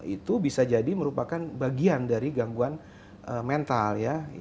itu bisa jadi merupakan bagian dari gangguan mental ya